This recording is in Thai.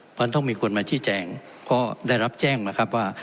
เพราะฉะนั้นต้องมีคนมาชี้แจงเพราะได้รับแจ้งนะครับว่า